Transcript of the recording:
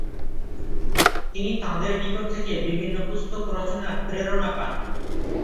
তিনি তাঁদের নিকট থেকে বিভিন্ন পুস্তক রচনার প্রেরণা পান।